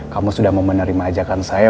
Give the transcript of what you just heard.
kamu sudah mau menerima ajakan saya